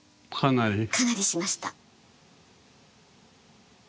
かなりしました。